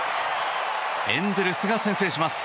エンゼルスが先制します。